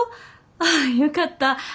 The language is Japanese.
あよかった。